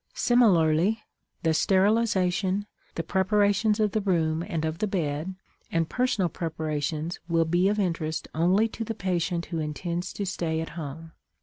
Similarly, the sterilization, the preparations of the room and of the bed, and personal preparations will be of interest only to the patient who intends to stay at home.